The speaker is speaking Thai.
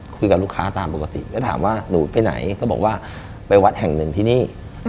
คุยกับลูกค้าตามปกติแล้วถามว่าหนูไปไหนก็บอกว่าไปวัดแห่งหนึ่งที่นี่